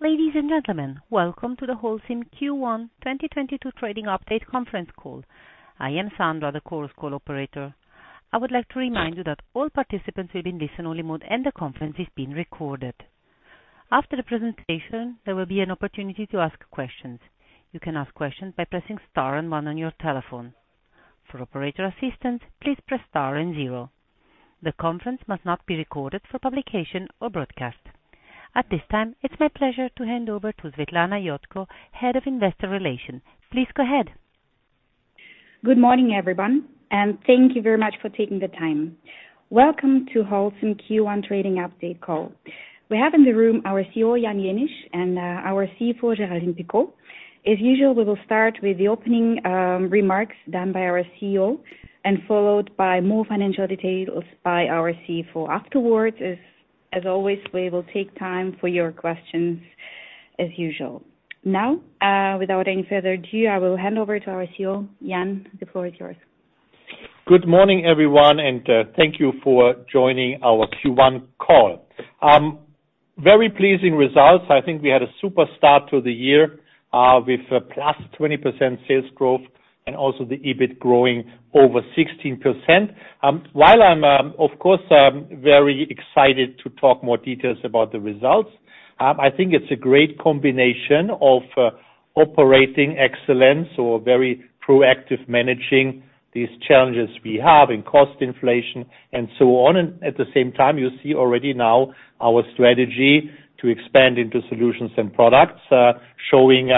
Ladies and gentlemen, welcome to the Holcim Q1 2022 Trading Update conference call. I am Sandra, the Chorus Call operator. I would like to remind you that all participants will be in listen-only mode and the conference is being recorded. After the presentation, there will be an opportunity to ask questions. You can ask questions by pressing star and one on your telephone. For operator assistance, please press star and zero. The conference must not be recorded for publication or broadcast. At this time, it's my pleasure to hand over to Svetlana Iotko, Head of Investor Relations. Please go ahead. Good morning, everyone, and thank you very much for taking the time. Welcome to Holcim Q1 Trading Update call. We have in the room our CEO, Jan Jenisch, and our CFO, Géraldine Picaud. As usual, we will start with the opening remarks done by our CEO and followed by more financial details by our CFO. Afterwards, as always, we will take time for your questions as usual. Now, without any further ado, I will hand over to our CEO. Jan, the floor is yours. Good morning, everyone, and thank you for joining our Q1 call. Very pleasing results. I think we had a super start to the year with a +20% sales growth and also the EBIT growing over 16%. While I'm, of course, very excited to talk more details about the results, I think it's a great combination of operating excellence or very proactive managing these challenges we have in cost inflation and so on. At the same time, you see already now our strategy to expand into solutions and products showing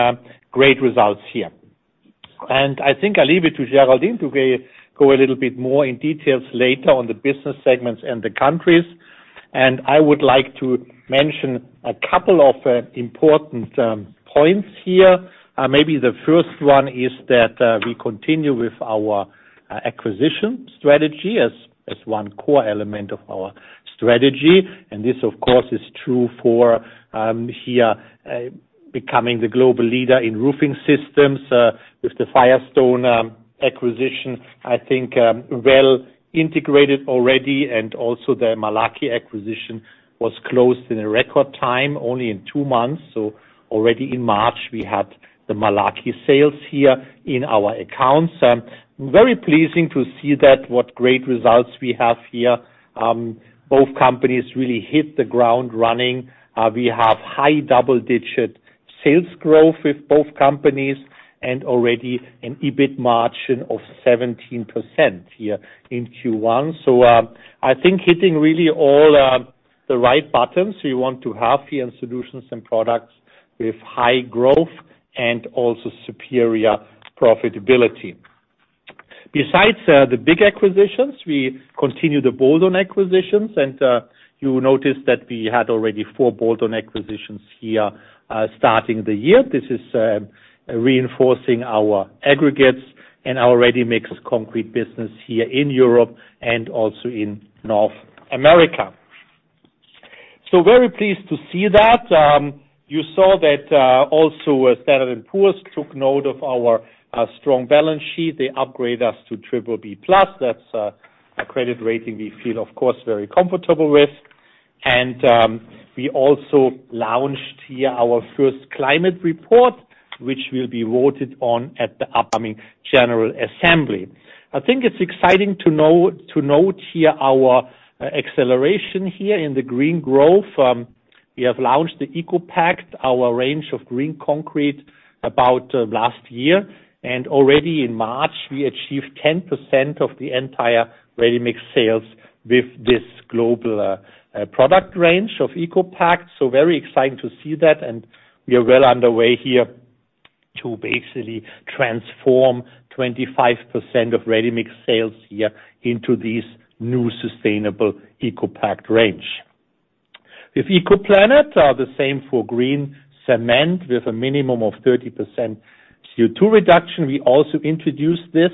great results here. I think I'll leave it to Géraldine to go a little bit more in details later on the business segments and the countries. I would like to mention a couple of important points here. Maybe the first one is that we continue with our acquisition strategy as one core element of our strategy. This, of course, is true for becoming the global leader in roofing systems with the Firestone acquisition, I think, well integrated already. Also the Malarkey acquisition was closed in a record time, only in two months. Already in March, we had the Malarkey sales here in our accounts. Very pleasing to see that what great results we have here. Both companies really hit the ground running. We have high double-digit sales growth with both companies and already an EBIT margin of 17% here in Q1. I think hitting really all the right buttons we want to have here in solutions and products with high growth and also superior profitability. Besides, the big acquisitions, we continue the bolt-on acquisitions. You notice that we had already four bolt-on acquisitions here, starting the year. This is reinforcing our aggregates and our ready-mix concrete business here in Europe and also in North America. Very pleased to see that. You saw that also Standard & Poor's took note of our strong balance sheet. They upgrade us to BBB+. That's a credit rating we feel, of course, very comfortable with. We also launched here our first climate report, which will be voted on at the upcoming general assembly. I think it's exciting to note here our acceleration here in the green growth. We have launched the ECOPact, our range of green concrete about last year. Already in March, we achieved 10% of the entire ready-mix sales with this global product range of ECOPact. Very exciting to see that, and we are well underway here to basically transform 25% of ready-mix sales here into this new sustainable ECOPact range. With ECOPlanet, the same for green cement with a minimum of 30% CO2 reduction. We also introduced this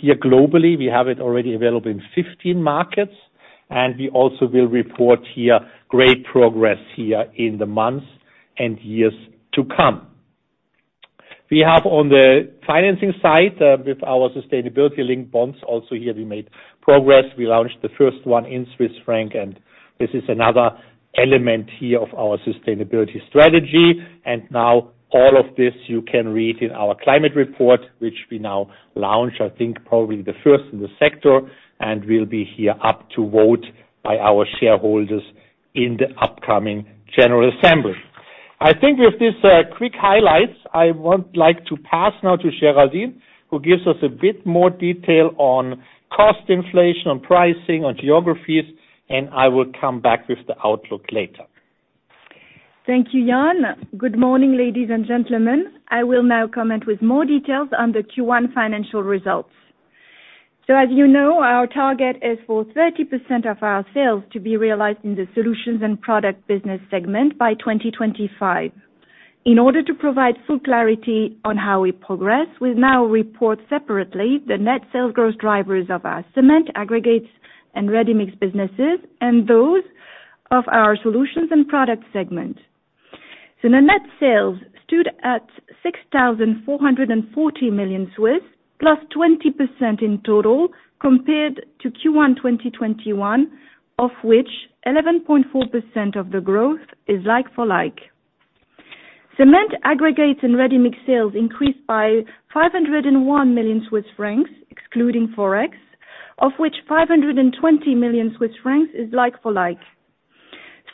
here globally. We have it already available in 15 markets, and we also will report here great progress here in the months and years to come. We have on the financing side, with our sustainability-linked bonds, also here we made progress. We launched the first one in Swiss franc, and this is another element here of our sustainability strategy. Now all of this you can read in our climate report, which we now launch, I think probably the first in the sector, and will be put up to vote by our shareholders in the upcoming general assembly. I think with this quick highlights, I would like to pass now to Géraldine, who gives us a bit more detail on cost inflation, on pricing, on geographies, and I will come back with the outlook later. Thank you, Jan. Good morning, ladies and gentlemen. I will now comment with more details on the Q1 financial results. As you know, our target is for 30% of our sales to be realized in the solutions and product business segment by 2025. In order to provide full clarity on how we progress, we now report separately the net sales growth drivers of our cement, aggregates, and ready-mix businesses and those of our solutions and product segment. Net sales stood at 6,440 million, +20% in total compared to Q1 2021, of which 11.4% of the growth is like-for-like. Cement aggregates and ready mixed sales increased by 501 million Swiss francs, excluding Forex, of which 520 million Swiss francs is like-for-like.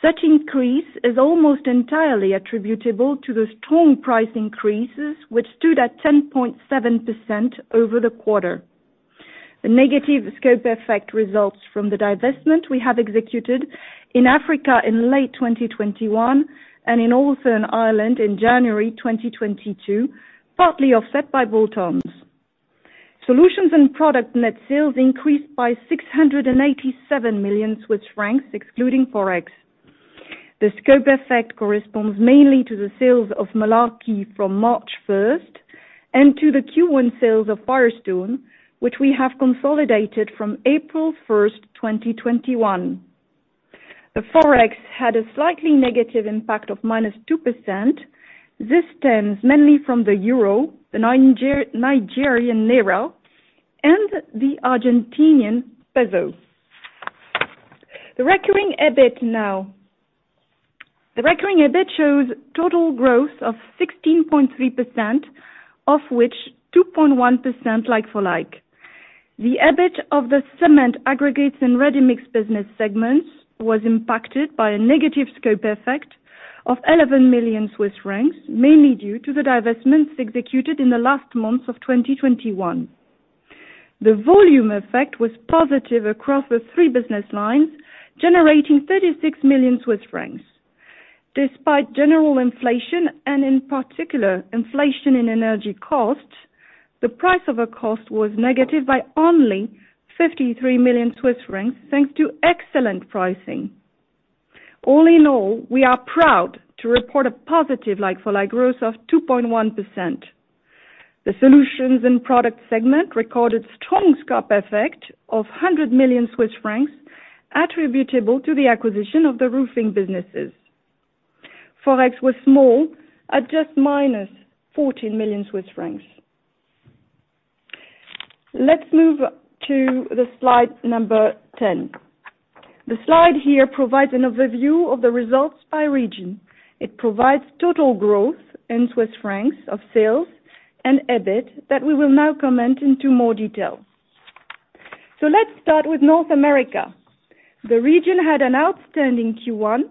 Such increase is almost entirely attributable to the strong price increases, which stood at 10.7% over the quarter. The negative scope effect results from the divestment we have executed in Africa in late 2021 and in Northern Ireland in January 2022, partly offset by bolt-ons. Solutions and product net sales increased by 687 million Swiss francs, excluding Forex. The scope effect corresponds mainly to the sales of Malarkey from March 1 and to the Q1 sales of Firestone, which we have consolidated from April 1, 2021. The Forex had a slightly negative impact of -2%. This stems mainly from the Euro, the Nigerian naira, and the Argentinian peso. The recurring EBIT now. The recurring EBIT shows total growth of 16.3%, of which 2.1% like-for-like. The EBIT of the cement aggregates and ready-mix business segments was impacted by a negative scope effect of 11 million Swiss francs, mainly due to the divestments executed in the last months of 2021. The volume effect was positive across the three business lines, generating 36 million Swiss francs. Despite general inflation and in particular inflation in energy costs, the price over cost was negative by only 53 million Swiss francs, thanks to excellent pricing. All in all, we are proud to report a positive like-for-like growth of 2.1%. The solutions and product segment recorded strong scope effect of 100 million Swiss francs attributable to the acquisition of the roofing businesses. Forex was small at just -14 million Swiss francs. Let's move to the Slide number 10. The slide here provides an overview of the results by region. It provides total growth in Swiss francs of sales and EBIT that we will now comment on in more detail. Let's start with North America. The region had an outstanding Q1.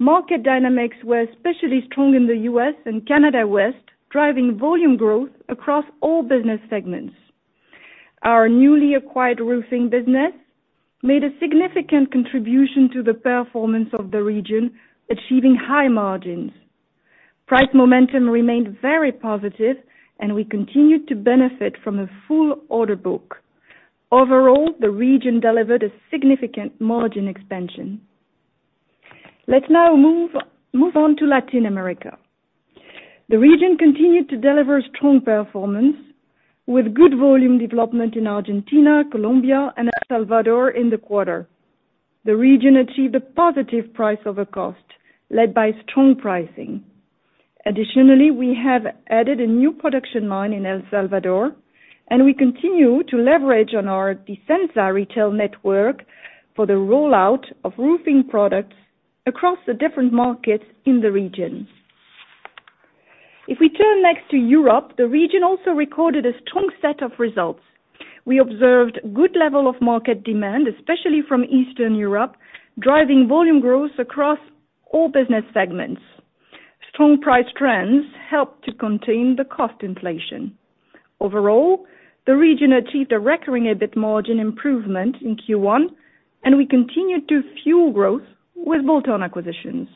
Market dynamics were especially strong in the U.S. and Canada West, driving volume growth across all business segments. Our newly acquired roofing business made a significant contribution to the performance of the region, achieving high margins. Price momentum remained very positive and we continued to benefit from a full order book. Overall, the region delivered a significant margin expansion. Let's now move on to Latin America. The region continued to deliver strong performance with good volume development in Argentina, Colombia and El Salvador in the quarter. The region achieved a positive price over cost led by strong pricing. Additionally, we have added a new production line in El Salvador, and we continue to leverage on our Disensa retail network for the rollout of roofing products across the different markets in the region. If we turn next to Europe, the region also recorded a strong set of results. We observed good level of market demand, especially from Eastern Europe, driving volume growth across all business segments. Strong price trends helped to contain the cost inflation. Overall, the region achieved a recurring EBIT margin improvement in Q1, and we continued to fuel growth with bolt-on acquisitions.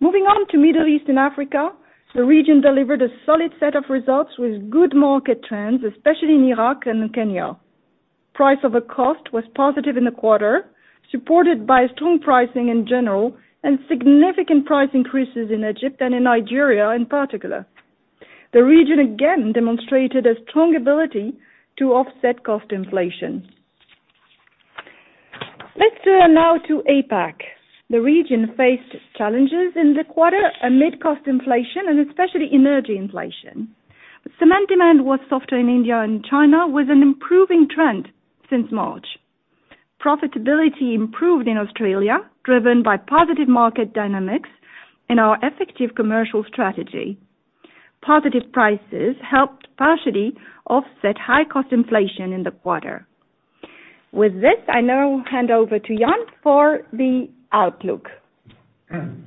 Moving on to Middle East and Africa, the region delivered a solid set of results with good market trends, especially in Iraq and Kenya. Price over cost was positive in the quarter, supported by strong pricing in general and significant price increases in Egypt and in Nigeria in particular. The region again demonstrated a strong ability to offset cost inflation. Let's turn now to APAC. The region faced challenges in the quarter amid cost inflation and especially energy inflation. Cement demand was softer in India and China, with an improving trend since March. Profitability improved in Australia, driven by positive market dynamics and our effective commercial strategy. Positive prices helped partially offset high cost inflation in the quarter. With this, I now hand over to Jan for the outlook. Thank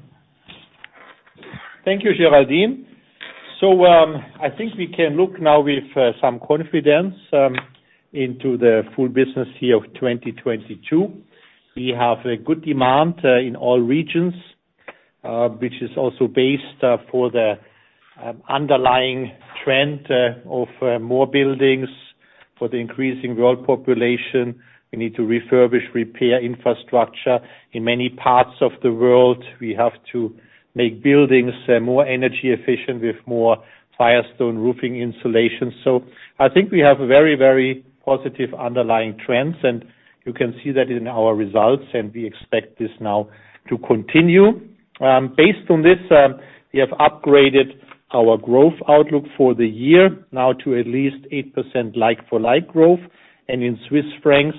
you, Géraldine. I think we can look now with some confidence into the full business year of 2022. We have good demand in all regions, which is also based on the underlying trend of more buildings for the increasing world population. We need to refurbish, repair infrastructure. In many parts of the world, we have to make buildings more energy efficient with more Firestone roofing insulation. I think we have very, very positive underlying trends, and you can see that in our results, and we expect this now to continue. Based on this, we have upgraded our growth outlook for the year now to at least 8% like-for-like growth. In Swiss francs,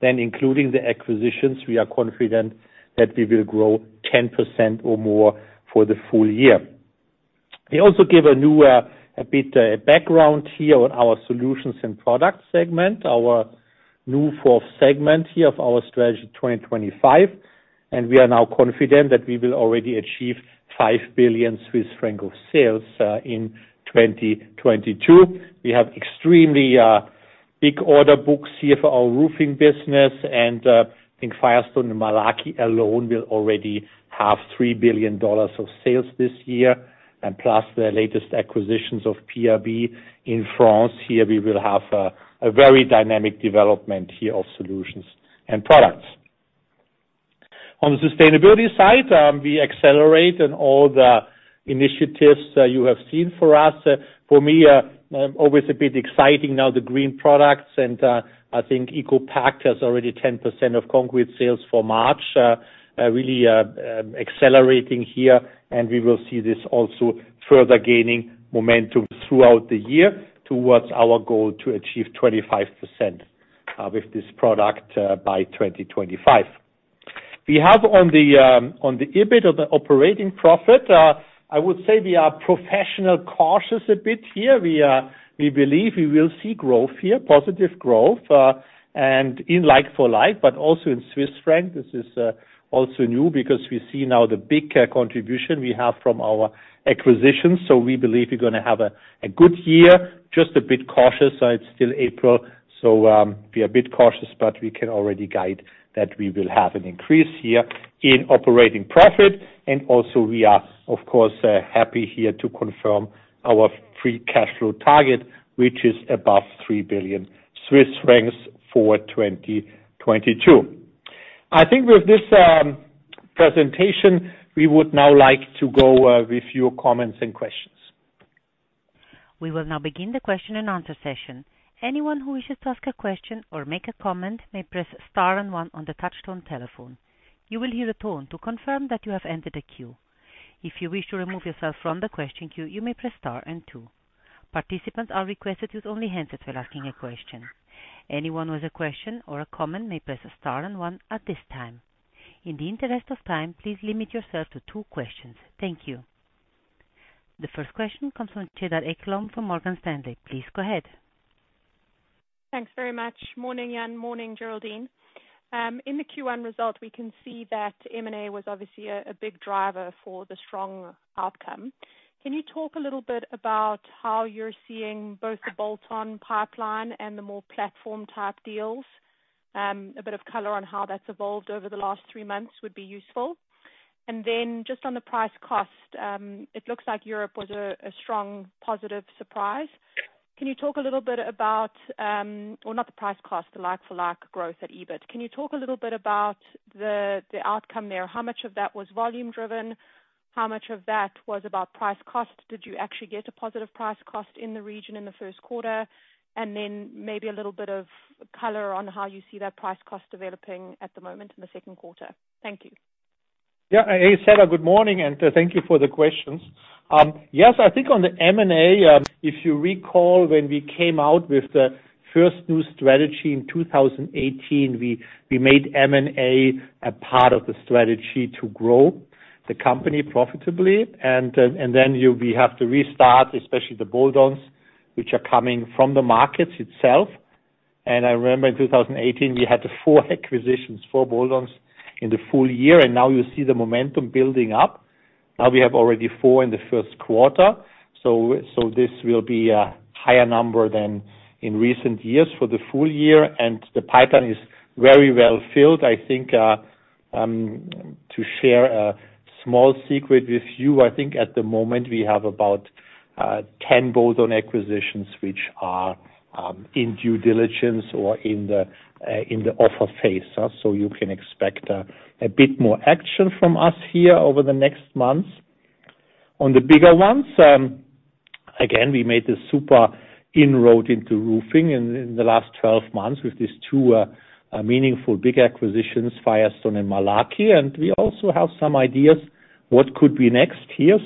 then including the acquisitions, we are confident that we will grow 10% or more for the full year. We also give a new, a bit, background here on our solutions and product segment, our new fourth segment here of our Strategy 2025. We are now confident that we will already achieve 5 billion Swiss francs of sales in 2022. We have extremely big order books here for our roofing business, and I think Firestone and Malarkey alone will already have $3 billion of sales this year. Plus the latest acquisitions of PRB in France, here, we will have a very dynamic development here of solutions and products. On the sustainability side, we accelerate in all the initiatives you have seen for us. For me, always a bit exciting now, the green products, and I think ECOPact has already 10% of concrete sales for March, really accelerating here. We will see this also further gaining momentum throughout the year towards our goal to achieve 25%, with this product, by 2025. We have on the, on the EBIT of the operating profit, I would say we are professionally cautious a bit here. We believe we will see growth here, positive growth, and in like-for-like, but also in Swiss franc. This is also new because we see now the big contribution we have from our acquisitions, so we believe we're gonna have a good year, just a bit cautious, so it's still April. We are a bit cautious, but we can already guide that we will have an increase here in operating profit. We are, of course, happy here to confirm our free cash flow target, which is above 3 billion Swiss francs for 2022. I think with this presentation, we would now like to go with your comments and questions. We will now begin the question-and-answer session. Anyone who wishes to ask a question or make a comment may press star and one on the touch-tone telephone. You will hear the tone to confirm that you have entered the queue, if you wish to remove yourself from the question queue you may press star and two. Participants are requested to use only handset while asking a question. Anyone with a question or a comment may press star and one at this time. In the interest of time please limit yourself to only two questions. The first question comes from Cedar Ekblom from Morgan Stanley. Please go ahead. Thanks very much. Morning, Jan. Morning, Géraldine. In the Q1 result, we can see that M&A was obviously a big driver for the strong outcome. Can you talk a little bit about how you're seeing both the bolt-on pipeline and the more platform-type deals? A bit of color on how that's evolved over the last three months would be useful. Just on the price cost, it looks like Europe was a strong positive surprise. Can you talk a little bit about, or not the price cost, the like-for-like growth at EBIT? Can you talk a little bit about the outcome there? How much of that was volume driven? How much of that was about price cost? Did you actually get a positive price cost in the region in the first quarter? Maybe a little bit of color on how you see that price-cost developing at the moment in the second quarter? Thank you. Yeah. Hey, Cedar, good morning, and thank you for the questions. Yes, I think on the M&A, if you recall, when we came out with the first new strategy in 2018, we made M&A a part of the strategy to grow the company profitably. We have to restart, especially the bolt-ons, which are coming from the market itself. I remember in 2018, we had four acquisitions, four bolt-ons in the full year, and now you see the momentum building up. Now we have already four in the first quarter. This will be a higher number than in recent years for the full year, and the pipeline is very well filled. I think to share a small secret with you. I think at the moment we have about 10 bolt-on acquisitions, which are in due diligence or in the offer phase. You can expect a bit more action from us here over the next months. On the bigger ones, again, we made a super inroad into roofing in the last 12 months with these two meaningful big acquisitions, Firestone and Malarkey. We also have some ideas what could be next here.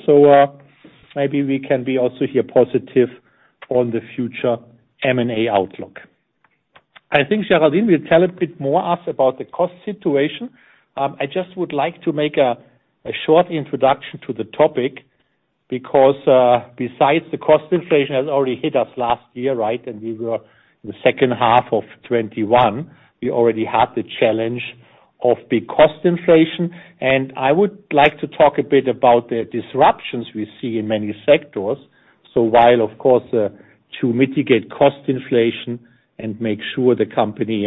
Maybe we can be also here positive on the future M&A outlook. I think Géraldine will tell us a bit more about the cost situation. I just would like to make a short introduction to the topic because besides the cost inflation has already hit us last year, right? We were in the second half of 2021, we already had the challenge of big cost inflation. I would like to talk a bit about the disruptions we see in many sectors. While of course, to mitigate cost inflation and make sure the company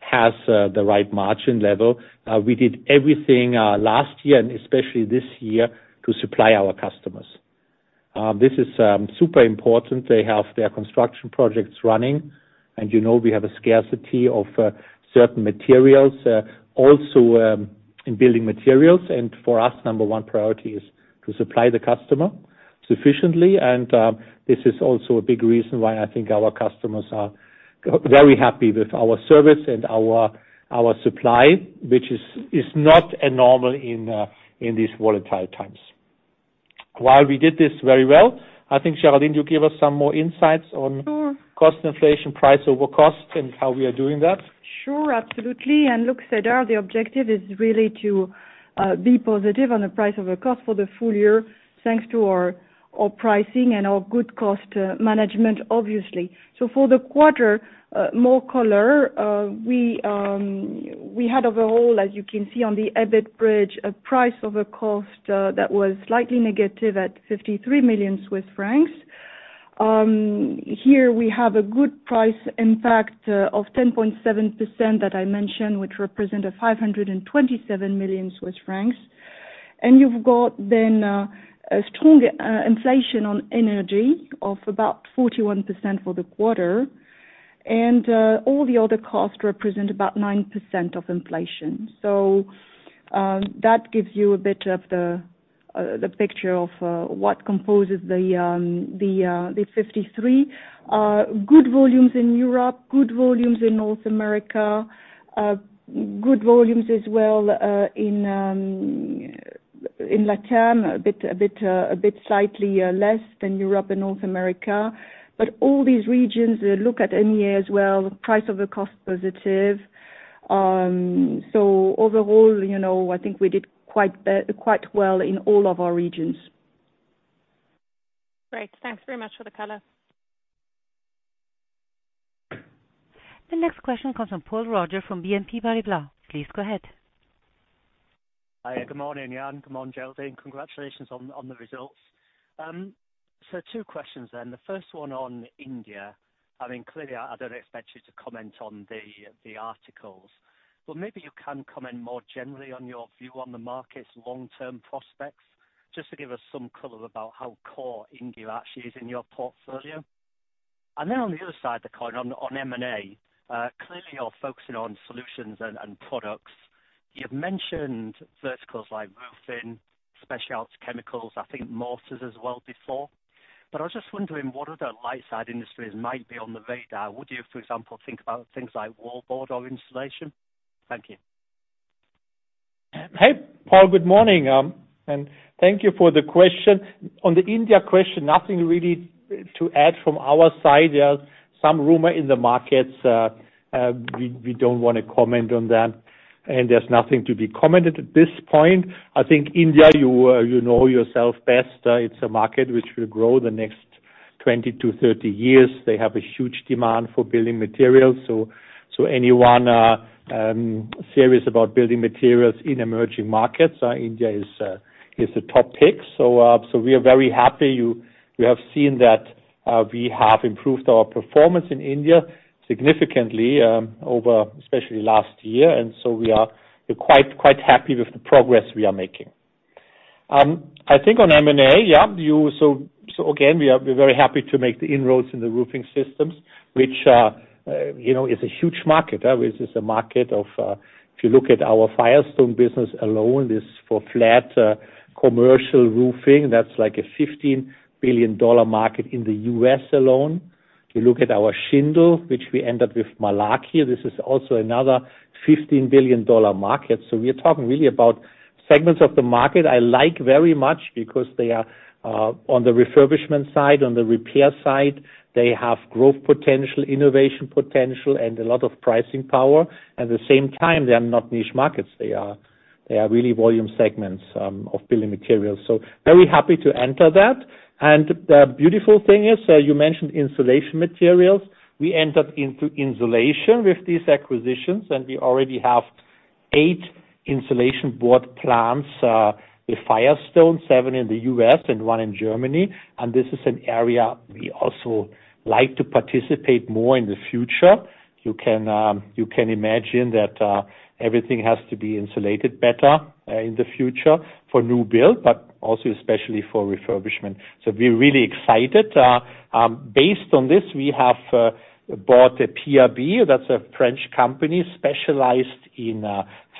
has the right margin level, we did everything last year and especially this year to supply our customers. This is super important. They have their construction projects running, and you know, we have a scarcity of certain materials, also, in building materials. For us, number one priority is to supply the customer sufficiently. This is also a big reason why I think our customers are very happy with our service and our supply, which is not normal in these volatile times. While we did this very well, I think Géraldine, you give us some more insights on- Sure. cost inflation, price over cost, and how we are doing that. Sure. Absolutely. Look, Cedar, the objective is really to be positive on the price over cost for the full year, thanks to our pricing and our good cost management, obviously. For the quarter, more color, we had overall, as you can see on the EBIT bridge, a price over cost that was slightly negative at 53 million Swiss francs. Here we have a good price impact of 10.7% that I mentioned, which represent 527 million Swiss francs. You've got then a strong inflation on energy of about 41% for the quarter. All the other costs represent about 9% of inflation. That gives you a bit of the picture of what composes the 53. Good volumes in Europe, good volumes in North America, good volumes as well in LATAM, a bit slightly less than Europe and North America. All these regions look at MEA as well, price over cost positive. Overall, you know, I think we did quite well in all of our regions. Great. Thanks very much for the color. The next question comes from Paul Roger from BNP Paribas. Please go ahead. Hi. Good morning, Jan. Good morning, Géraldine. Congratulations on the results. Two questions. The first one on India. I mean, clearly I don't expect you to comment on the articles, but maybe you can comment more generally on your view on the market's long-term prospects, just to give us some color about how core India actually is in your portfolio. On the other side of the coin, on M&A, clearly you're focusing on solutions and products. You've mentioned verticals like roofing, special chemicals. I think mortars as well before. I was just wondering what other light side industries might be on the radar. Would you, for example, think about things like wall board or insulation? Thank you. Hey, Paul. Good morning, and thank you for the question. On the India question, nothing really to add from our side. There's some rumor in the markets, we don't wanna comment on that, and there's nothing to be commented at this point. I think India, you know yourself best. It's a market which will grow the next 20-30 years. They have a huge demand for building materials, so anyone serious about building materials in emerging markets, India is a top pick. We are very happy. We have seen that we have improved our performance in India significantly, over especially last year. We are quite happy with the progress we are making. I think on M&A, yeah, so again, we're very happy to make the inroads in the roofing systems, which, you know, is a huge market. Which is a market of, if you look at our Firestone business alone, is for flat, commercial roofing, that's like a $15 billion market in the U.S. alone. You look at our shingle, which we end up with Malarkey. This is also another $15 billion market. We are talking really about segments of the market I like very much because they are, on the refurbishment side, on the repair side, they have growth potential, innovation potential, and a lot of pricing power. At the same time, they are not niche markets. They are really volume segments of building materials. Very happy to enter that. The beautiful thing is, you mentioned insulation materials. We end up into insulation with these acquisitions, and we already have eight insulation board plants with Firestone, seven in the U.S. and one in Germany. This is an area we also like to participate more in the future. You can imagine that everything has to be insulated better in the future for new build, but also especially for refurbishment. We're really excited. Based on this, we have bought a PRB, that's a French company specialized in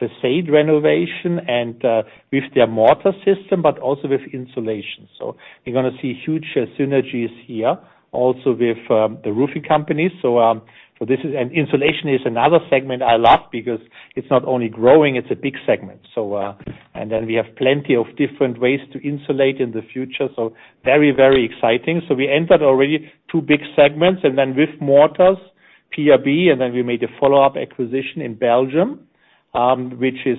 façade renovation and with their mortar system, but also with insulation. You're gonna see huge synergies here also with the roofing companies. This is. Insulation is another segment I love because it's not only growing, it's a big segment. And then we have plenty of different ways to insulate in the future. Very, very exciting. We entered already two big segments and then with mortars, PRB, and then we made a follow-up acquisition in Belgium, which is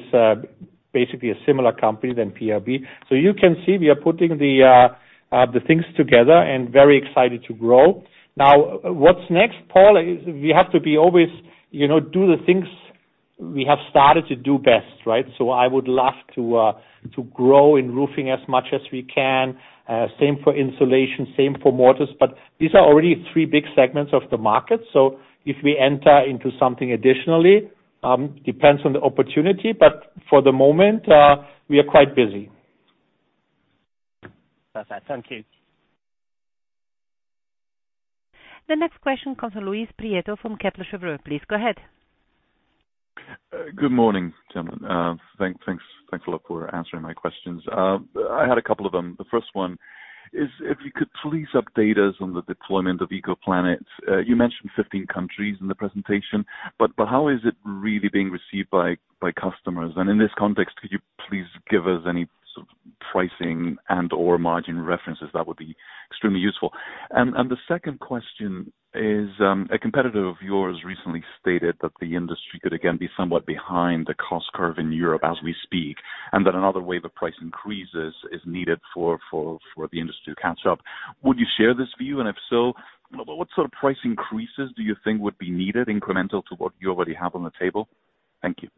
basically a similar company than PRB. You can see we are putting the things together and very excited to grow. Now, what's next, Paul, is we have to be always, you know, do the things we have started to do best, right? I would love to grow in roofing as much as we can. Same for insulation, same for mortars. But these are already three big segments of the market. If we enter into something additionally, it depends on the opportunity. But for the moment, we are quite busy. Perfect. Thank you. The next question comes from Luis Prieto from Kepler Cheuvreux. Please go ahead. Good morning, gentlemen. Thanks a lot for answering my questions. I had a couple of them. The first one is if you could please update us on the deployment of ECOPlanet. You mentioned 15 countries in the presentation, but how is it really being received by customers? In this context, could you please give us any sort of pricing and/or margin references? That would be extremely useful. The second question is, a competitor of yours recently stated that the industry could again be somewhat behind the cost curve in Europe as we speak, and that another wave of price increases is needed for the industry to catch up. Would you share this view? If so, what sort of price increases do you think would be needed incremental to what you already have on the table? Thank you.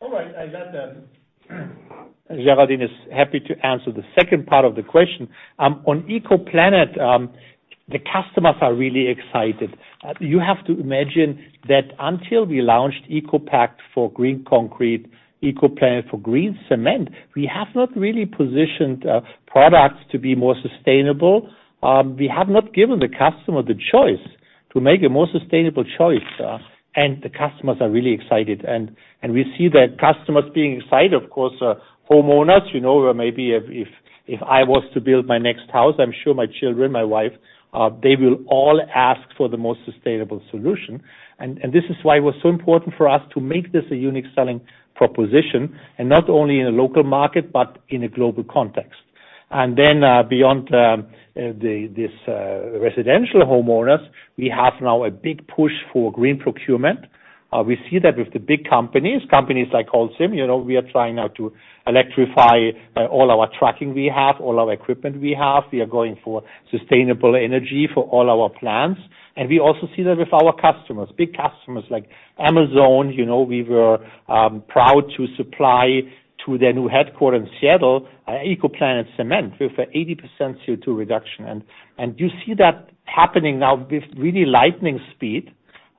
All right. I got that. Géraldine is happy to answer the second part of the question. On ECOPlanet, the customers are really excited. You have to imagine that until we launched ECOPact for green concrete, ECOPlanet for green cement, we have not really positioned products to be more sustainable. We have not given the customer the choice to make a more sustainable choice, and the customers are really excited. We see that customers being excited, of course, are homeowners, you know, maybe if I was to build my next house, I'm sure my children, my wife, they will all ask for the most sustainable solution. This is why it was so important for us to make this a unique selling proposition, and not only in a local market, but in a global context. Beyond residential homeowners, we have now a big push for green procurement. We see that with the big companies like Holcim, you know, we are trying now to electrify all our trucking we have, all our equipment we have. We are going for sustainable energy for all our plants. We also see that with our customers. Big customers like Amazon, you know, we were proud to supply to their new headquarters in Seattle, ECOPlanet cement with 80% CO2 reduction. You see that happening now with really lightning speed,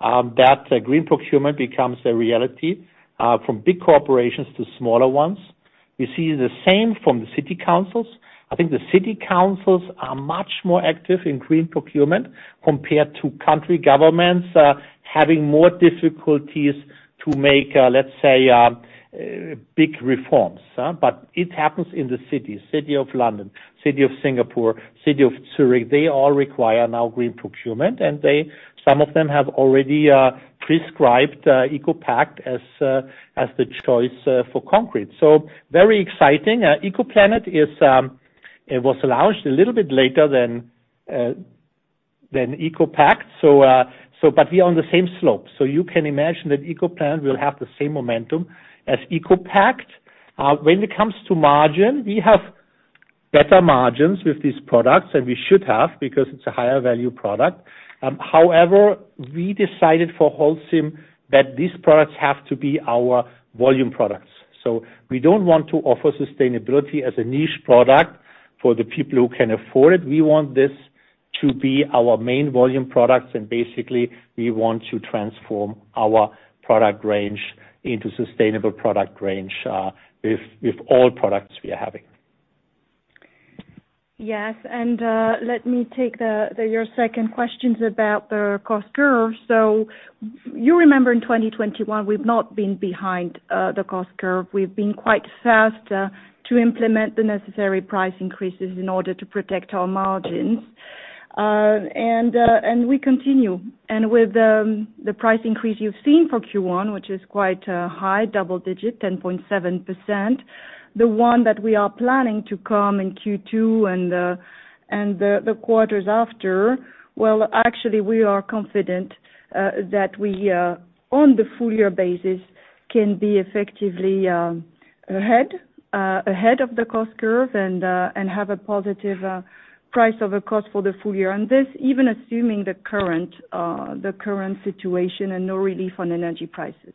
that green procurement becomes a reality, from big corporations to smaller ones. We see the same from the city councils. I think the city councils are much more active in green procurement compared to country governments, having more difficulties to make, let's say, big reforms. It happens in the cities. City of London, city of Singapore, city of Zurich, they all require now green procurement. Some of them have already prescribed ECOPact as the choice for concrete. Very exciting. ECOPlanet is, it was launched a little bit later than ECOPact. But we're on the same slope. You can imagine that ECOPlanet will have the same momentum as ECOPact. When it comes to margin, we have better margins with these products, and we should have because it's a higher value product. However, we decided for Holcim that these products have to be our volume products. We don't want to offer sustainability as a niche product for the people who can afford it. We want this to be our main volume products, and basically, we want to transform our product range into sustainable product range, with all products we are having. Yes. Let me take your second questions about the cost curve. You remember in 2021, we've not been behind the cost curve. We've been quite fast to implement the necessary price increases in order to protect our margins. We continue. With the price increase you've seen for Q1, which is quite high double digit, 10.7%, the one that we are planning to come in Q2 and the quarters after, actually we are confident that we on the full year basis can be effectively ahead of the cost curve and have a positive price over cost for the full year. This even assuming the current situation and no relief on energy prices.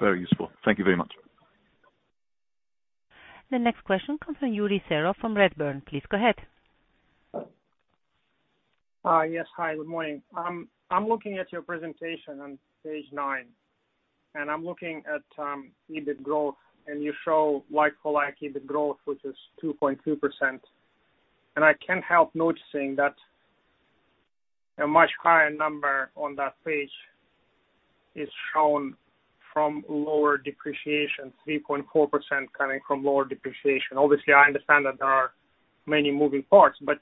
Very useful. Thank you very much. The next question comes from Yassine Touahri from Redburn. Please go ahead. Yes. Hi, good morning. I'm looking at your presentation on Page 9, and I'm looking at EBIT growth, and you show like-for-like EBIT growth, which is 2.2%. I can't help noticing that a much higher number on that page is shown from lower depreciation, 3.4% coming from lower depreciation. Obviously, I understand that there are many moving parts, but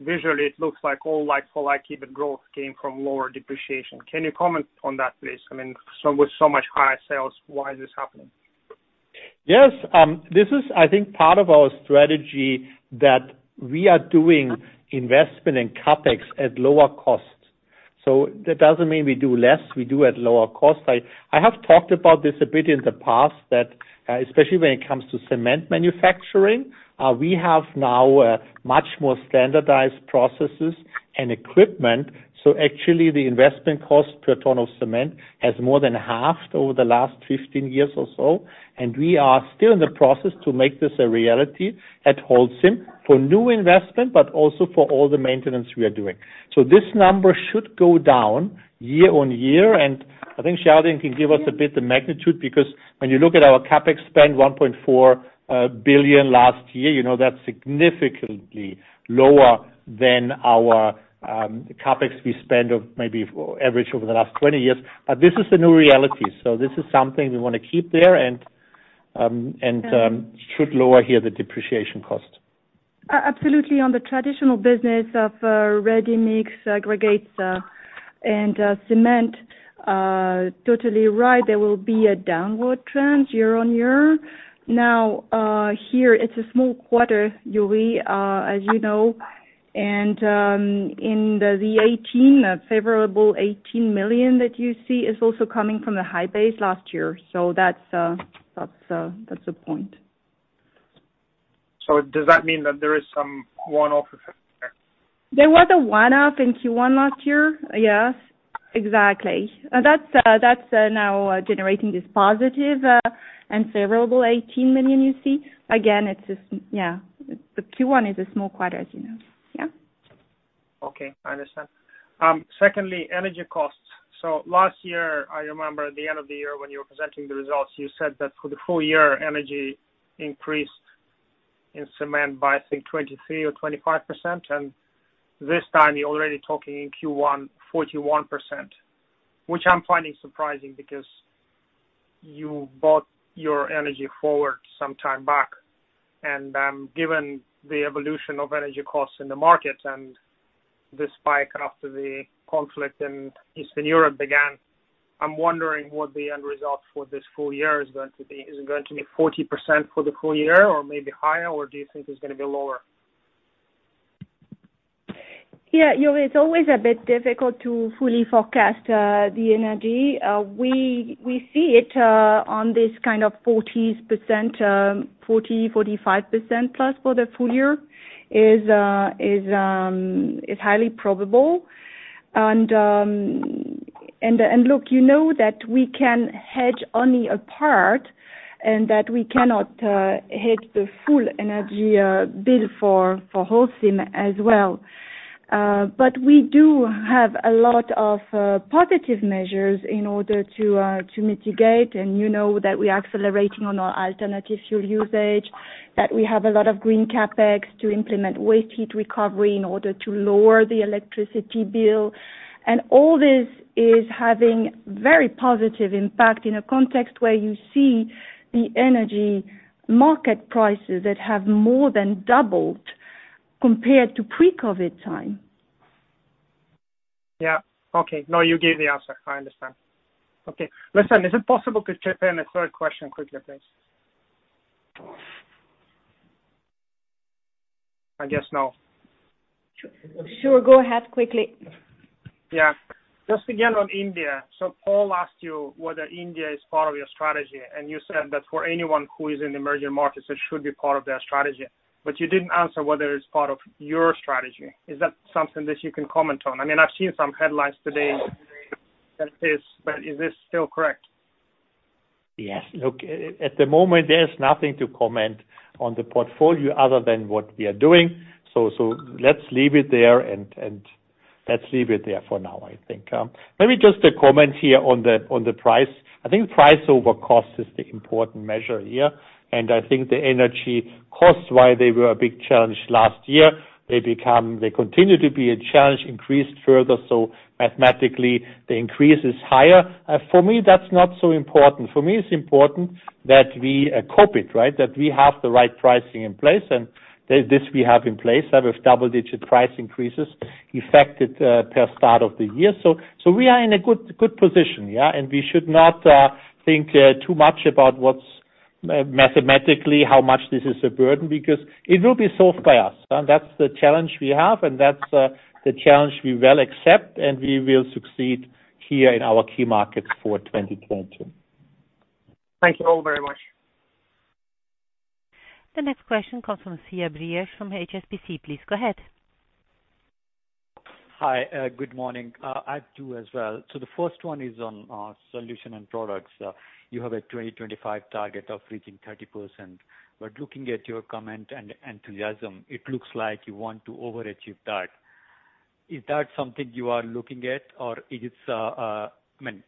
visually it looks like all like-for-like EBIT growth came from lower depreciation. Can you comment on that, please? I mean, with so much higher sales, why is this happening? Yes. This is, I think, part of our strategy that we are doing investment in CapEx at lower cost. That doesn't mean we do less, we do at lower cost. I have talked about this a bit in the past that, especially when it comes to cement manufacturing, we have now a much more standardized processes and equipment. Actually the investment cost per ton of cement has more than halved over the last 15 years or so. We are still in the process to make this a reality at Holcim for new investment, but also for all the maintenance we are doing. This number should go down year on year. I think Géraldine can give us a bit the magnitude, because when you look at our CapEx spend, 1.4 billion last year, you know that's significantly lower than our CapEx we spend of maybe average over the last 20 years. This is the new reality. This is something we wanna keep there and should lower here the depreciation cost. Absolutely. On the traditional business of ready-mix aggregates and cement, totally right, there will be a downward trend year-on-year. Now, here it's a small quarter, Touahri, as you know, and in the 18, a favorable 18 million that you see is also coming from the high base last year. That's the point. Does that mean that there is some one-off effect there? There was a one-off in Q1 last year. Yes. Exactly. That's now generating this positive and favorable 18 million you see. Again, it's just. Yeah. The Q1 is a small quarter, as you know. Yeah. Okay, I understand. Secondly, energy costs. Last year, I remember at the end of the year when you were presenting the results, you said that for the full year, energy increased in cement by, I think, 23% or 25%, and this time you're already talking in Q1, 41%, which I'm finding surprising because you bought your energy forward some time back. Given the evolution of energy costs in the market and the spike after the conflict in Eastern Europe began, I'm wondering what the end result for this full year is going to be. Is it going to be 40% for the full year or maybe higher, or do you think it's gonna be lower? Yeah. You know, it's always a bit difficult to fully forecast the energy. We see it on this kind of 40s%, 40%-45% plus for the full year is highly probable. Look, you know that we can hedge only a part, and that we cannot hedge the full energy bill for Holcim as well. But we do have a lot of positive measures in order to mitigate. You know that we're accelerating on our alternative fuel usage, that we have a lot of green CapEx to implement waste heat recovery in order to lower the electricity bill. All this is having very positive impact in a context where you see the energy market prices that have more than doubled compared to pre-COVID time. Yeah. Okay. No, you gave the answer. I understand. Okay. Listen, is it possible to fit in a third question quickly, please? I guess no. Sure. Go ahead quickly. Yeah. Just again, on India. Paul asked you whether India is part of your strategy, and you said that for anyone who is in emerging markets, it should be part of their strategy, but you didn't answer whether it's part of your strategy. Is that something that you can comment on? I mean, I've seen some headlines today that it is, but is this still correct? Yes. Look, at the moment there's nothing to comment on the portfolio other than what we are doing. Let's leave it there for now, I think. Maybe just a comment here on the price. I think price over cost is the important measure here. I think the energy costs, while they were a big challenge last year, continue to be a challenge, increased further, so mathematically the increase is higher. For me, that's not so important. For me, it's important that we cope with it, right? That we have the right pricing in place, and this we have in place, have double-digit price increases effected from the start of the year. We are in a good position, yeah? We should not think too much about what's mathematically how much this is a burden, because it will be solved by us. That's the challenge we have, and that's the challenge we will accept, and we will succeed here in our key markets for 2022. Thank you all very much. The next question comes from Brijesh Siya from HSBC. Please go ahead. Hi. Good morning. I have two as well. The first one is on Solutions and Products. You have a 2025 target of reaching 30%. Looking at your comment and enthusiasm, it looks like you want to overachieve that. Is that something you are looking at? Or is it, I mean,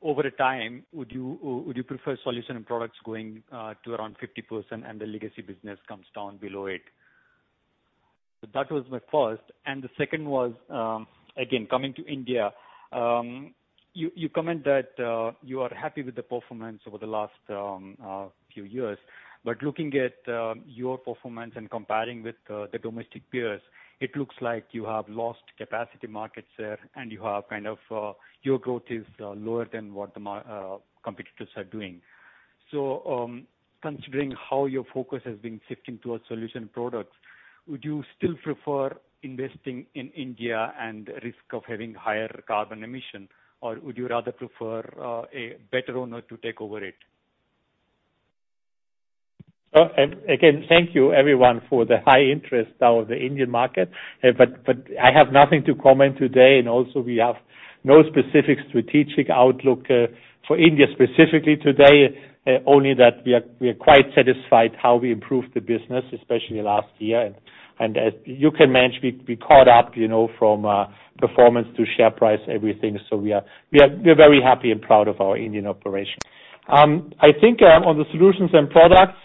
over time, would you prefer Solutions and Products going to around 50% and the legacy business comes down below it? That was my first, and the second was, again, coming to India. You comment that you are happy with the performance over the last few years. Looking at your performance and comparing with the domestic peers, it looks like you have lost capacity markets there, and you have kind of your growth is lower than what the competitors are doing. Considering how your focus has been shifting towards solution products, would you still prefer investing in India and risk of having higher carbon emission, or would you rather prefer a better owner to take over it? Again, thank you everyone for the high interest in the Indian market. But I have nothing to comment today. Also we have no specific strategic outlook for India specifically today, only that we are quite satisfied how we improved the business, especially last year. As you can imagine, we caught up, you know, from performance to share price, everything. We are very happy and proud of our Indian operations. I think on the solutions and products,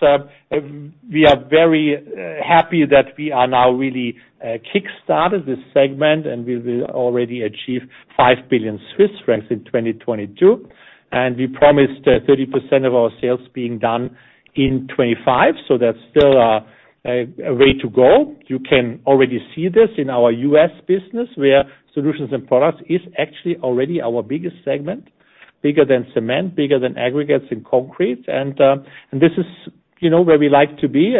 we are very happy that we are now really kickstarted this segment, and we will already achieve 5 billion Swiss francs in 2022. We promised 30% of our sales being done in 2025. That's still a way to go. You can already see this in our U.S. business, where solutions and products is actually already our biggest segment, bigger than cement, bigger than aggregates and concrete. This is, you know, where we like to be.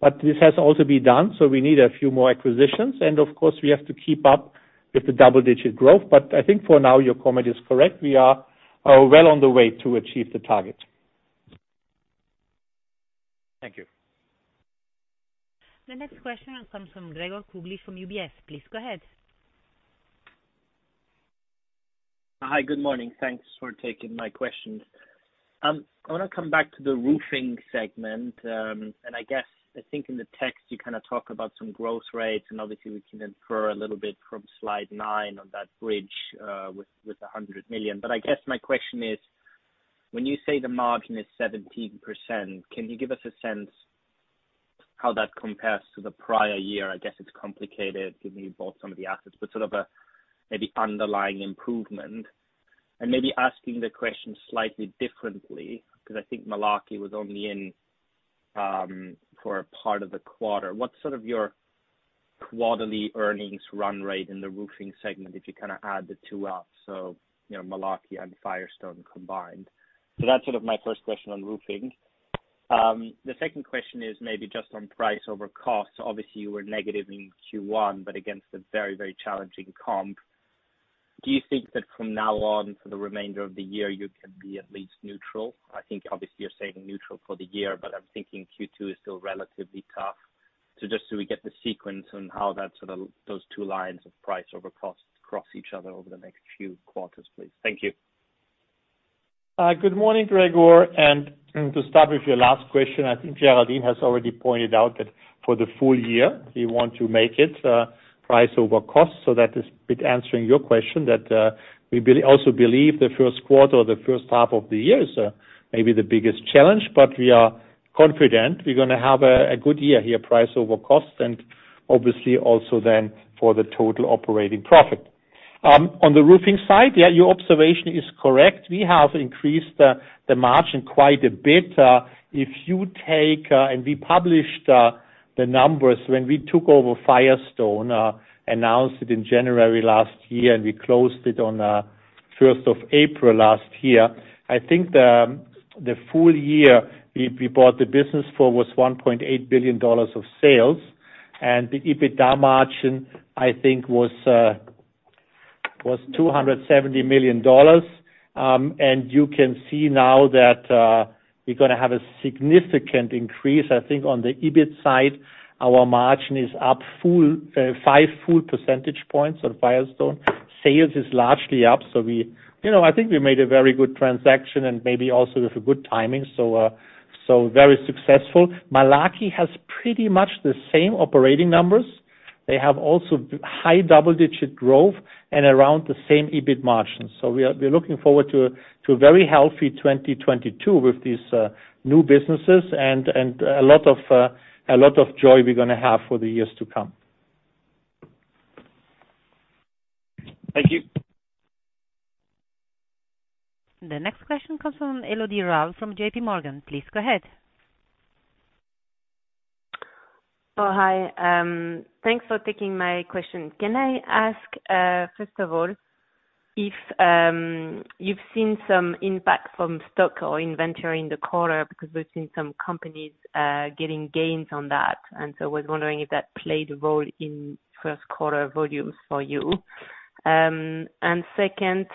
But this has also to be done, so we need a few more acquisitions. Of course, we have to keep up with the double-digit growth. I think for now, your comment is correct. We are well on the way to achieve the target. Thank you. The next question comes from Gregor Kuglitsch from UBS. Please go ahead. Hi, good morning. Thanks for taking my questions. I wanna come back to the roofing segment. I guess, I think in the text you kinda talk about some growth rates, and obviously we can infer a little bit from Slide 9 on that bridge, with the 100 million. But I guess my question is, when you say the margin is 17%, can you give us a sense how that compares to the prior year? I guess it's complicated given you bought some of the assets, but sort of a, maybe underlying improvement. Maybe asking the question slightly differently, 'cause I think Malarkey was only in, for a part of the quarter. What's sort of your quarterly earnings run rate in the roofing segment, if you kinda add the two up, so, you know, Malarkey and Firestone combined? That's sort of my first question on roofing. The second question is maybe just on price over cost. Obviously you were negative in Q1, but against a very, very challenging comp. Do you think that from now on, for the remainder of the year, you can be at least neutral? I think obviously you're saying neutral for the year, but I'm thinking Q2 is still relatively tough. Just so we get the sequence on how that sort of, those two lines of price over costs cross each other over the next few quarters, please. Thank you. Good morning, Gregor. To start with your last question, I think Géraldine has already pointed out that for the full year, we want to make it price over cost. That is a bit answering your question, that we also believe the first quarter or the first half of the year is maybe the biggest challenge. But we are confident we're gonna have a good year here, price over cost, and obviously also then for the total operating profit. On the roofing side, yeah, your observation is correct. We have increased the margin quite a bit. If you take, and we published the numbers when we took over Firestone, announced it in January last year, and we closed it on first of April last year. I think the full year we bought the business for was $1.8 billion of sales. The EBITDA margin, I think, was $270 million. You can see now that we're gonna have a significant increase. I think on the EBIT side, our margin is up full 5 full percentage points on Firestone. Sales is largely up, so we. You know, I think we made a very good transaction and maybe also with a good timing. Very successful. Malarkey has pretty much the same operating numbers. They have also high double-digit growth and around the same EBIT margins. We're looking forward to a very healthy 2022 with these new businesses and a lot of joy we're gonna have for the years to come. Thank you. The next question comes from Elodie Rall from JPMorgan. Please go ahead. Oh, hi. Thanks for taking my question. Can I ask, first of all, if you've seen some impact from stock or inventory in the quarter? Because we've seen some companies getting gains on that. I was wondering if that played a role in first quarter volumes for you. And second,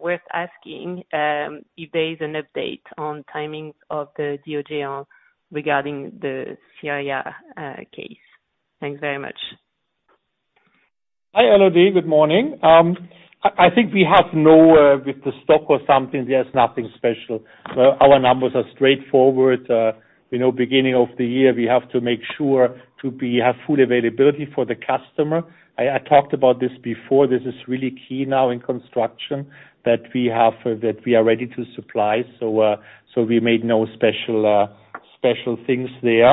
worth asking, if there is an update on the timings of the DOJ regarding the Syria case. Thanks very much. Hi, Elodie. Good morning. I think with the stock or something, there's nothing special. Our numbers are straightforward. You know, beginning of the year, we have to make sure to have full availability for the customer. I talked about this before. This is really key now in construction, that we are ready to supply. We made no special things there.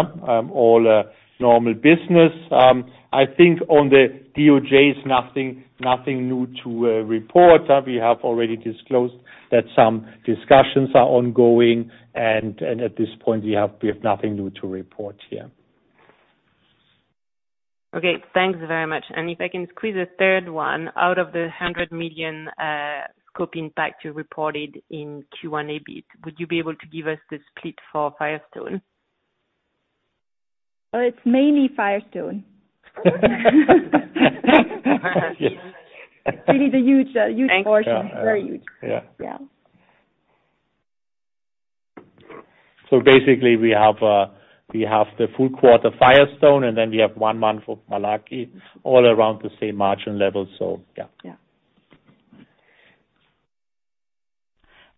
All normal business. I think on the DOJ nothing new to report. We have already disclosed that some discussions are ongoing, and at this point we have nothing new to report here. Okay. Thanks very much. If I can squeeze a third one out of the 100 million scope impact you reported in Q1 EBIT, would you be able to give us the split for Firestone? It's mainly Firestone. Really the huge portion. Thanks. Very huge. Yeah. Yeah. Basically we have the full quarter Firestone, and then we have one month of Malarkey, all around the same margin level, yeah. Yeah.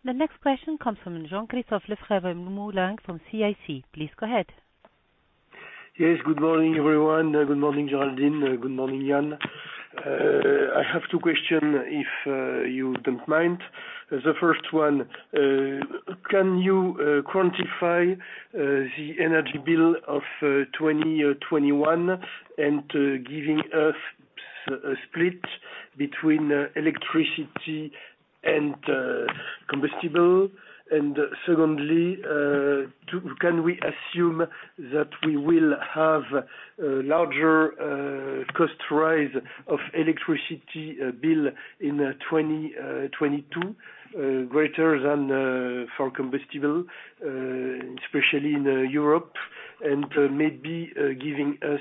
The next question comes from Jean-Christophe Lefèvre-Moulenq from CIC. Please go ahead. Yes, good morning, everyone. Good morning, Géraldine. Good morning, Jan. I have two questions, if you don't mind. The first one, can you quantify the energy bill of 2021 and giving us a split between electricity and combustible. Secondly, can we assume that we will have a larger cost rise of electricity bill in 2022, greater than for combustible, especially in Europe, and maybe giving us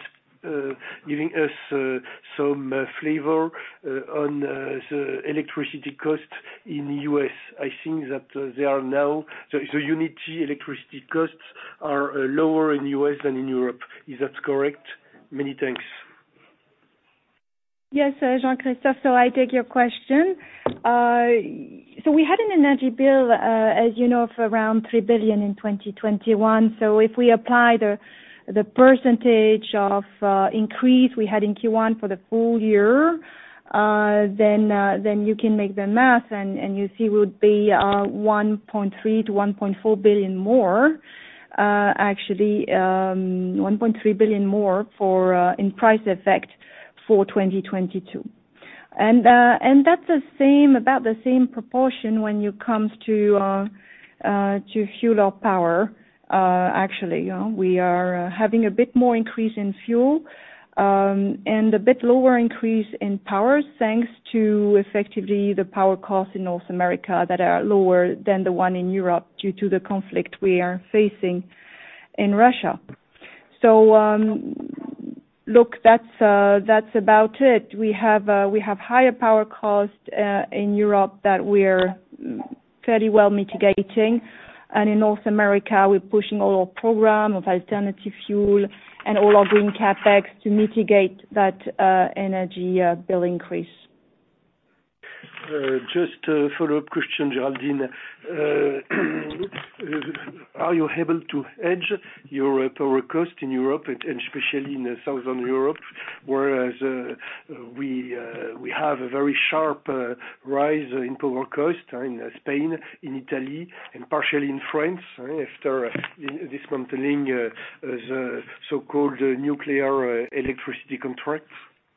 some flavor on the electricity cost in U.S.? I think that they are now unit electricity costs are lower in U.S. than in Europe. Is that correct? Many thanks. Yes, Jean-Christophe, I take your question. We had an energy bill, as you know, of around 3 billion in 2021. If we apply the percentage of increase we had in Q1 for the full year, then you can make the math and you see would be 1.3 billion-1.4 billion more, actually, 1.3 billion more in price effect for 2022. That's the same, about the same proportion when it comes to fuel or power, actually. We are having a bit more increase in fuel and a bit lower increase in power, thanks to effectively the power costs in North America that are lower than the one in Europe due to the conflict we are facing in Russia. That's about it. We have higher power costs in Europe that we're fairly well mitigating. In North America, we're pushing all our program of alternative fuel and all our green CapEx to mitigate that energy bill increase. Just a follow-up question, Géraldine. Are you able to hedge your power cost in Europe and especially in the Southern Europe, whereas we have a very sharp rise in power cost in Spain, in Italy, and partially in France, after discontinuing the so-called nuclear electricity contract.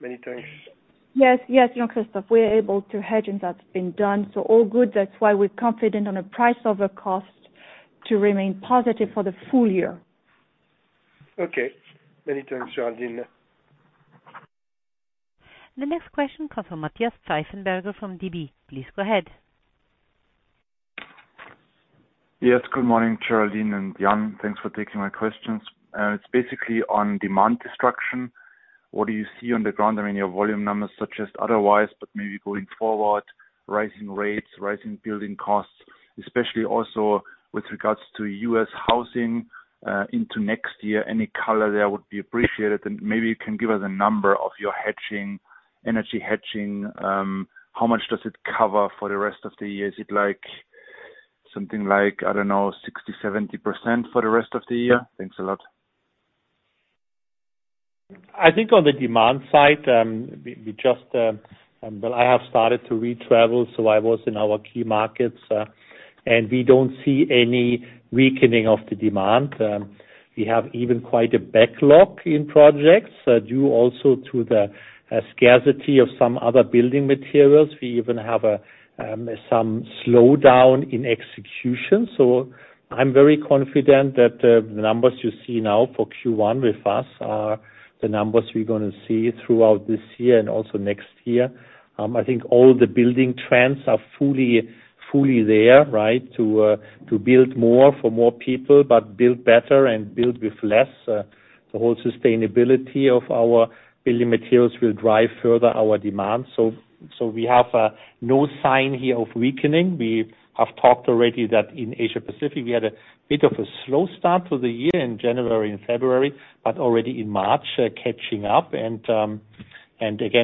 Many thanks. Yes, yes, Jean-Christophe. We're able to hedge, and that's been done. All good. That's why we're confident on price over cost to remain positive for the full year. Okay. Many thanks, Géraldine. The next question comes from Matthias Pfeifenberger from DB. Please go ahead. Yes, good morning, Géraldine and Jan. Thanks for taking my questions. It's basically on demand destruction. What do you see on the ground? I mean, your volume numbers suggest otherwise, but maybe going forward, rising rates, rising building costs, especially also with regards to U.S. housing, into next year. Any color there would be appreciated, and maybe you can give us a number of your hedging, energy hedging, how much does it cover for the rest of the year? Is it like, something like, I don't know, 60%-70% for the rest of the year? Thanks a lot. I think on the demand side, we just, well, I have started to re-travel, so I was in our key markets, and we don't see any weakening of the demand. We have even quite a backlog in projects, due also to the scarcity of some other building materials. We even have some slowdown in execution. I'm very confident that the numbers you see now for Q1 with us are the numbers we're gonna see throughout this year and also next year. I think all the building trends are fully there, right, to build more for more people, but build better and build with less. The whole sustainability of our building materials will drive further our demand. We have no sign here of weakening. We have talked already that in Asia-Pacific, we had a bit of a slow start to the year in January and February, but already in March, catching up. Again,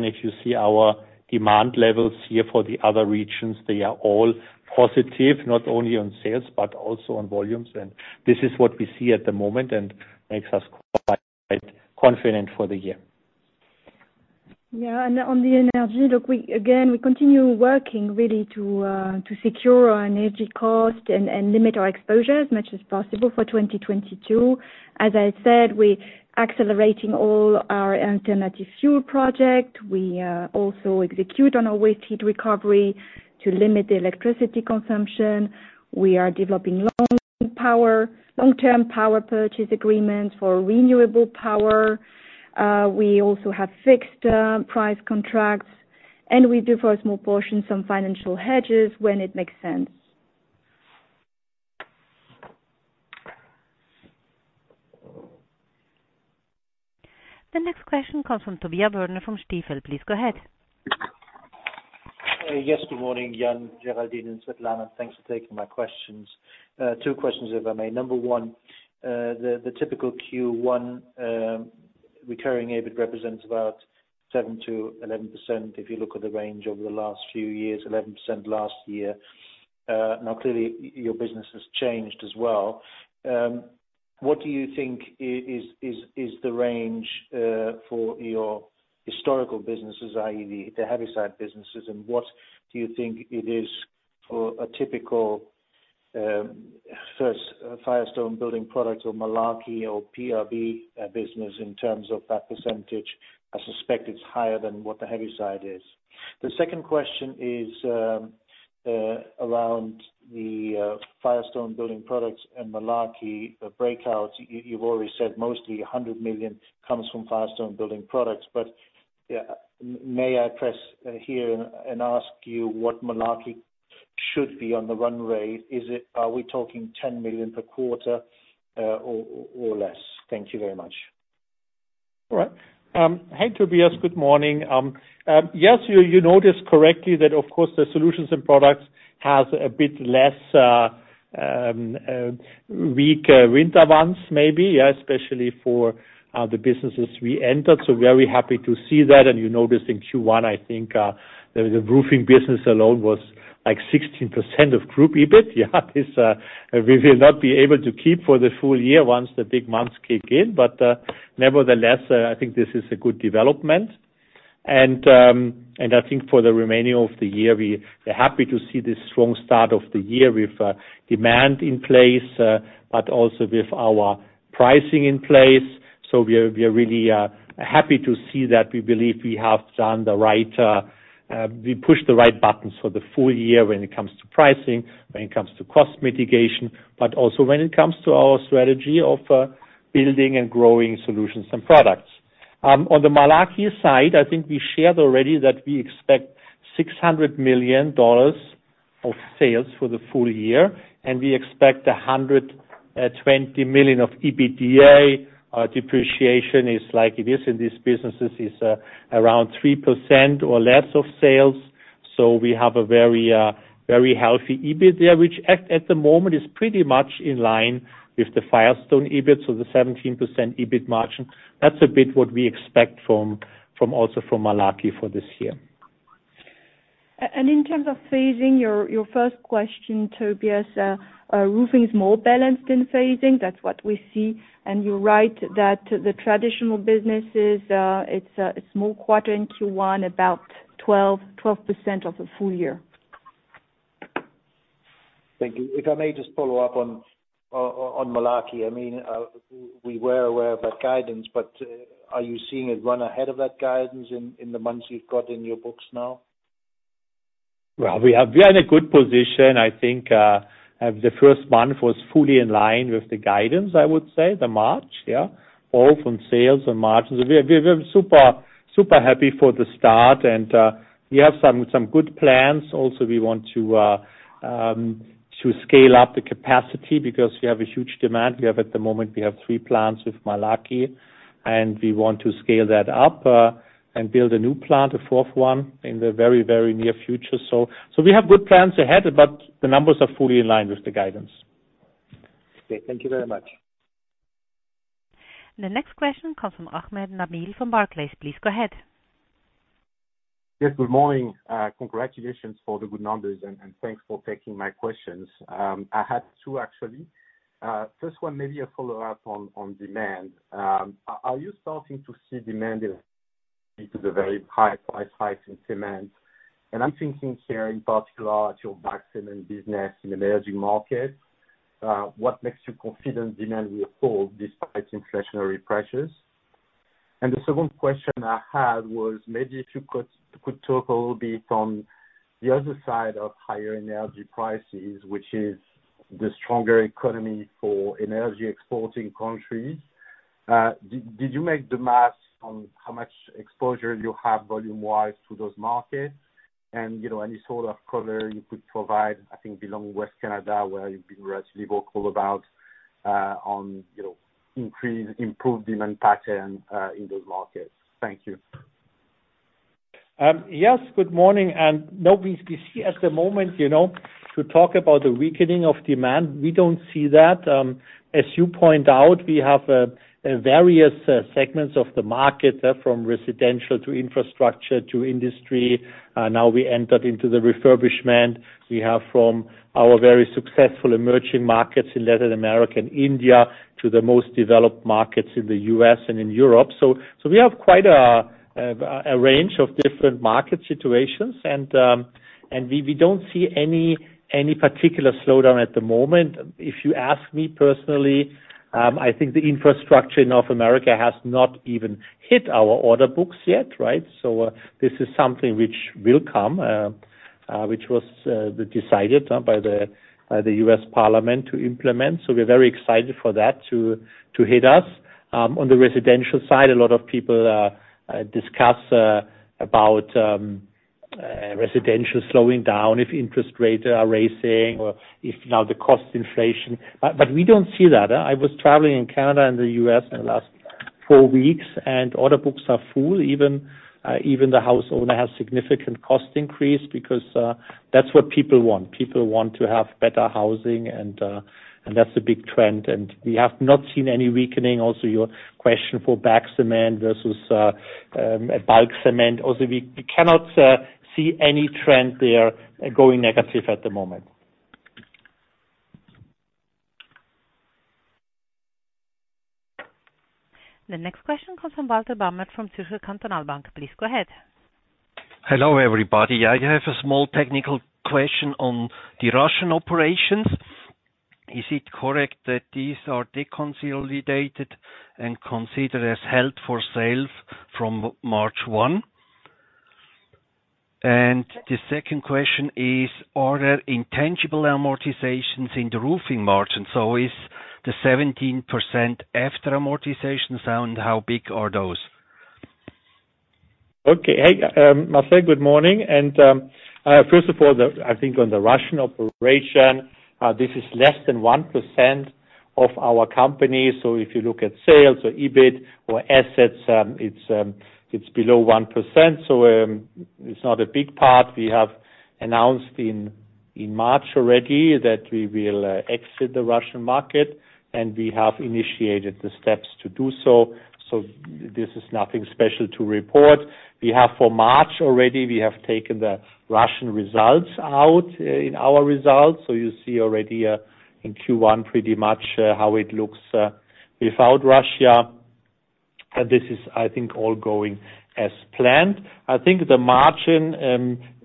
if you see our demand levels here for the other regions, they are all positive, not only on sales, but also on volumes. This is what we see at the moment and makes us quite confident for the year. On the energy, look, we continue working really to secure our energy cost and limit our exposure as much as possible for 2022. As I said, we're accelerating all our alternative fuel project. We also execute on our waste heat recovery to limit the electricity consumption. We are developing long-term power purchase agreements for renewable power. We also have fixed price contracts, and we do for a small portion some financial hedges when it makes sense. The next question comes from Tobias Woerner from Stifel. Please go ahead. Yes, good morning, Jan, Géraldine, and Svetlana. Thanks for taking my questions. Two questions, if I may. Number one, the typical Q1 recurring EBIT represents about 7%-11% if you look at the range over the last few years, 11% last year. Now, clearly your business has changed as well. What do you think is the range for your historical businesses, i.e., the heavy side businesses, and what do you think it is for a typical First, Firestone Building Products or Malarkey or PRB business in terms of that percentage, I suspect it's higher than what the heavy side is. The second question is around the Firestone Building Products and Malarkey breakouts. You've already said mostly $100 million comes from Firestone Building Products. Yeah, may I press here and ask you what Malarkey should be on the run rate? Is it? Are we talking $10 million per quarter, or less? Thank you very much. All right. Hi, Tobias. Good morning. Yes, you noticed correctly that of course the solutions and products has a bit less weak winter months maybe, yeah, especially for the businesses we entered, so very happy to see that. You noticed in Q1, I think, the roofing business alone was like 16% of group EBIT. Yeah. This we will not be able to keep for the full year once the big months kick in. Nevertheless, I think this is a good development. I think for the remainder of the year, we're happy to see this strong start of the year with demand in place, but also with our pricing in place. We are really happy to see that we believe we have done the right. We pushed the right buttons for the full year when it comes to pricing, when it comes to cost mitigation, but also when it comes to our strategy of building and growing solutions and products. On the Malarkey side, I think we shared already that we expect $600 million of sales for the full year, and we expect $120 million of EBITDA. Depreciation is like it is in these businesses, around 3% or less of sales. We have a very healthy EBIT there, which at the moment is pretty much in line with the Firestone EBIT, so the 17% EBIT margin. That's a bit what we expect from Malarkey also for this year. In terms of phasing, your first question, Tobias, roofing is more balanced in phasing. That's what we see. You're right that the traditional businesses, it's weaker in Q1, about 12% of the full year. Thank you. If I may just follow up on Malarkey. I mean, we were aware of that guidance, but are you seeing it run ahead of that guidance in the months you've got in your books now? Well, we are in a good position. I think, the first month was fully in line with the guidance, I would say, the March, yeah. Both on sales and margins. We're super happy for the start, and we have some good plans. Also, we want to scale up the capacity because we have a huge demand. We have, at the moment, three plants with Malarkey, and we want to scale that up and build a new plant, a fourth one, in the very near future. We have good plans ahead, but the numbers are fully in line with the guidance. Okay. Thank you very much. The next question comes from Nabil Ahmed from Barclays. Please go ahead. Yes, good morning. Congratulations for the good numbers and thanks for taking my questions. I have two actually. First one, maybe a follow-up on demand. Are you starting to see demand? Yes. Good morning. No, we see at the moment, you know, to talk about the weakening of demand, we don't see that. As you point out, we have various segments of the market from residential to infrastructure to industry. Now we entered into the refurbishment. We have from our very successful emerging markets in Latin America and India to the most developed markets in the U.S. and in Europe. So we have quite a range of different market situations, and we don't see any particular slowdown at the moment. If you ask me personally, I think the infrastructure in North America has not even hit our order books yet, right? This is something which will come, which was decided by the U.S. parliament to implement, so we're very excited for that to hit us. On the residential side, a lot of people discuss about residential slowing down if interest rates are raising or if now the cost inflation. We don't see that. I was traveling in Canada and the U.S. in the last four weeks, and order books are full. Even the homeowner has significant cost increase because that's what people want. People want to have better housing and that's a big trend, and we have not seen any weakening. Also, your question for bag cement versus bulk cement. Also, we cannot see any trend there going negative at the moment. The next question comes from Walter Bamert from Zürcher Kantonalbank. Please go ahead. Hello, everybody. I have a small technical question on the Russian operations. Is it correct that these are deconsolidated and considered as held for sale from March 1? The second question is, are there intangible amortizations in the roofing margin? Is the 17% after amortization sound? How big are those? Hey, Bamert, good morning. First of all, I think on the Russian operation, this is less than 1% of our company. So if you look at sales or EBIT or assets, it's below 1%. So it's not a big part. We have announced in March already that we will exit the Russian market, and we have initiated the steps to do so. This is nothing special to report. We have taken the Russian results out in our results for March already. So you see already in Q1 pretty much how it looks without Russia. This is, I think, all going as planned. I think the margin,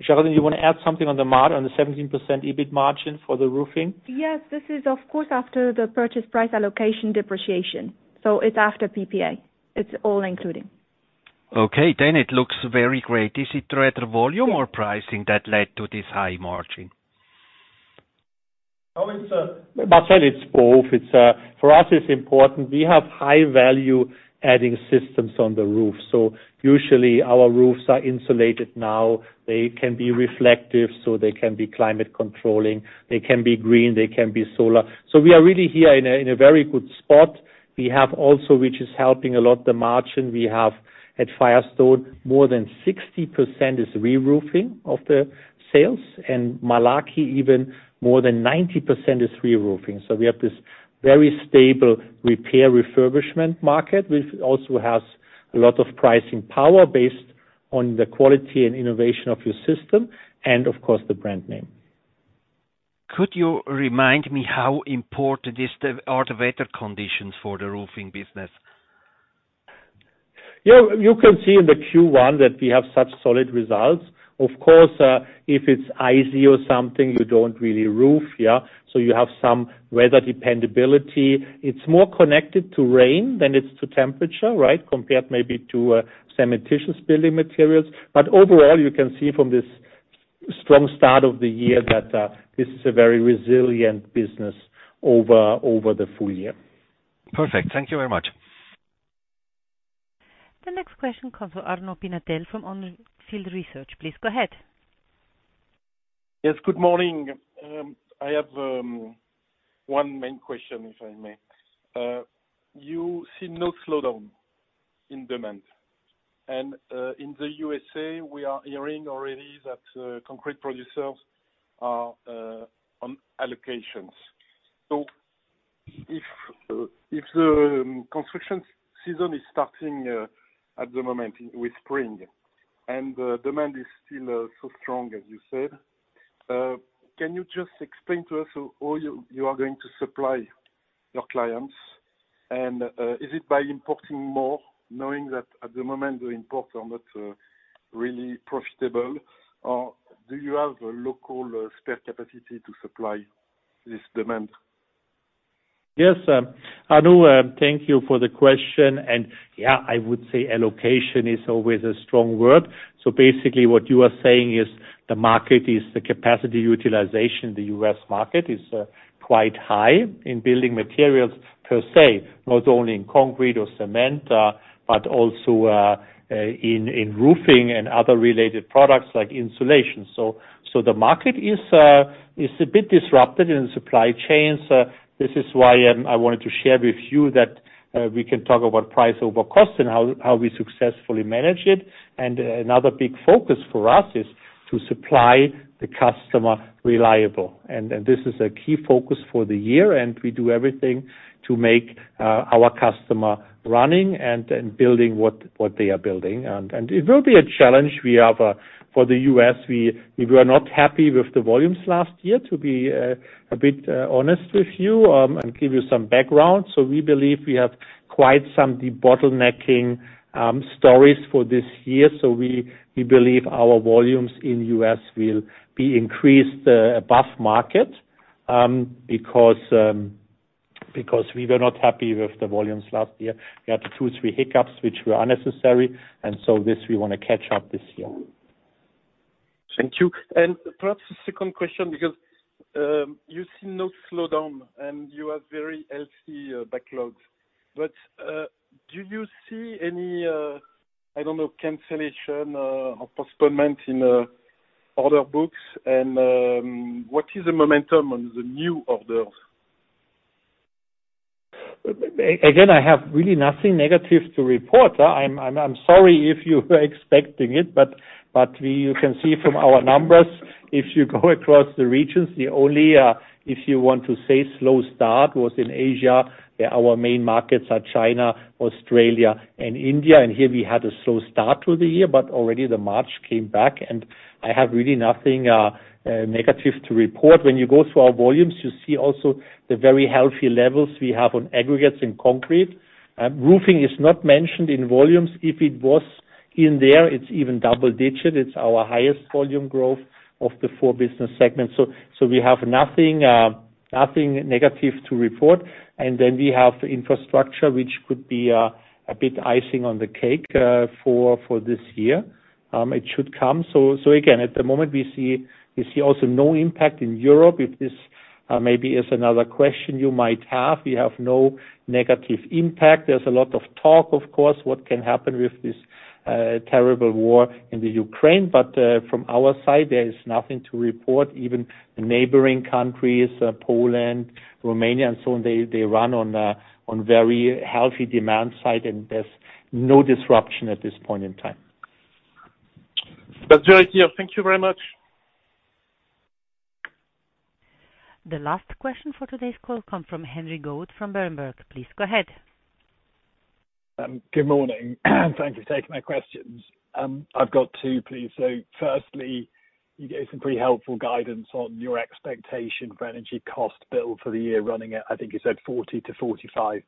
Svetlana, you wanna add something on the 17% EBIT margin for the roofing? Yes. This is of course after the purchase price allocation depreciation. It's after PPA. It's all including. Okay. It looks very great. Is it greater volume or pricing that led to this high margin? No, it's, Bamert, it's both. It's for us it's important. We have high value adding systems on the roof. Usually our roofs are insulated now. They can be reflective, so they can be climate controlling, they can be green, they can be solar. We are really here in a very good spot. We have also, which is helping a lot the margin we have at Firestone, more than 60% is reroofing of the sales, and Malarkey even more than 90% is reroofing. We have this very stable repair refurbishment market, which also has a lot of pricing power based on the quality and innovation of your system and of course the brand name. Could you remind me how important are the weather conditions for the roofing business? Yeah. You can see in the Q1 that we have such solid results. Of course, if it's icy or something, you don't really roof, yeah. You have some weather dependency. It's more connected to rain than it's to temperature, right? Compared maybe to cementitious building materials. Overall, you can see from this strong start of the year that this is a very resilient business over the full year. Perfect. Thank you very much. The next question comes from Arnaud Pinatel from On Field Research. Please go ahead. Yes, good morning. I have one main question, if I may. You see no slowdown in demand and in the U.S. we are hearing already that concrete producers are on allocations. If the construction season is starting at the moment with spring and demand is still so strong, as you said, can you just explain to us how you are going to supply your clients? Is it by importing more, knowing that at the moment the imports are not really profitable, or do you have a local spare capacity to supply this demand? Yes, Arnaud, thank you for the question. Yeah, I would say allocation is always a strong word. Basically what you are saying is the market is the capacity utilization. The U.S. market is quite high in building materials per se, not only in concrete or cement, but also in roofing and other related products like insulation. The market is a bit disrupted in supply chains. This is why I wanted to share with you that we can talk about price over cost and how we successfully manage it. Another big focus for us is to supply the customer reliable. This is a key focus for the year, and we do everything to make our customer running and building what they are building. It will be a challenge. We have for the U.S., we were not happy with the volumes last year to be a bit honest with you, and give you some background. We believe we have quite some debottlenecking stories for this year. We believe our volumes in U.S. will be increased above market, because we were not happy with the volumes last year. We had two, three hiccups which were unnecessary. We wanna catch up this year. Thank you. Perhaps the second question because you see no slowdown and you have very healthy backlogs, but do you see any I don't know, cancellation or postponement in other books? What is the momentum on the new orders? Again, I have really nothing negative to report. I'm sorry if you were expecting it, but you can see from our numbers if you go across the regions, the only, if you want to say, slow start was in Asia. Our main markets are China, Australia and India, and here we had a slow start to the year, but already March came back and I have really nothing negative to report. When you go through our volumes, you see also the very healthy levels we have on aggregates and concrete. Roofing is not mentioned in volumes. If it was in there, it's even double digit. It's our highest volume growth of the four business segments. We have nothing negative to report, and then we have infrastructure, which could be a bit icing on the cake for this year. It should come. Again, at the moment, we see also no impact in Europe. If this maybe is another question you might have, we have no negative impact. There's a lot of talk, of course, what can happen with this terrible war in Ukraine. From our side, there is nothing to report. Even the neighboring countries, Poland, Romania, and so on, they run on a very healthy demand side and there's no disruption at this point in time. That's very clear. Thank you very much. The last question for today's call come from Harry Goad from Berenberg. Please go ahead. Good morning. Thank you for taking my questions. I've got two, please. Firstly, you gave some pretty helpful guidance on your expectation for energy cost build for the year running at, I think you said 40%-45%.